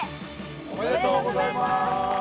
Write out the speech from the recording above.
おめでとうございます。